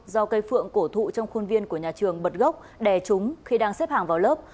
do cây phượng cổ thụ trong khuôn viên của nhà trường bật gốc đè chúng khi đang xếp hàng vào lớp